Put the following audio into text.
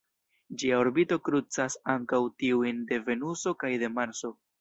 Ĝia orbito krucas ankaŭ tiujn de Venuso kaj de Marso.